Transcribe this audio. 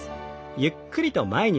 ゆっくりと前に曲げて。